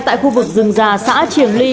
tại khu vực rừng già xã triềng ly